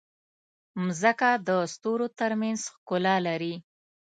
مځکه د ستورو ترمنځ ښکلا لري.